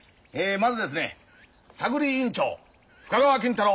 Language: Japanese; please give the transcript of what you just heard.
まずですねさぐり委員長深川金太郎。